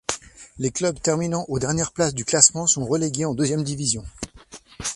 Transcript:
Les clubs terminant au dernière places du classement sont relégués en deuxième division.